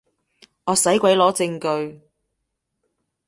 我使鬼攞證據